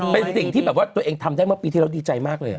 เป็นสิ่งที่แบบว่าตัวเองทำได้เมื่อปีที่แล้วดีใจมากเลย